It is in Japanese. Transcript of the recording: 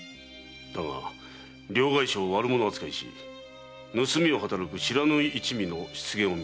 だが両替商を悪者扱いし盗みを働く不知火一味の出現を見た。